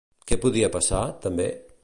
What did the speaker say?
Què podia passar, també?